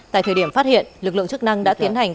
tại thời điểm phát hiện lực lượng chức năng đã tiến hành